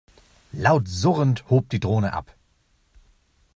Laut surrend hob die Drohne ab.